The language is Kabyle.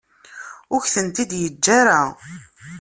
Ur ak-ten-id-yeǧǧa ara.